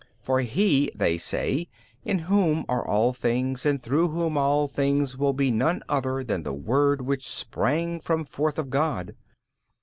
For He (they say) in Whom are all things and throughb Whom all things will be none other than the Word Which sprang from forth of God.